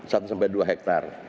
satu sampai dua hektar